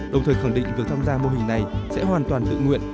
đồng thời khẳng định việc tham gia mô hình này sẽ hoàn toàn tự nguyện